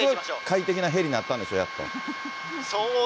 快適なヘリになったんでしょう、やっと。